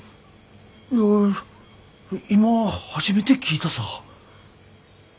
いや今初めて聞いたさ。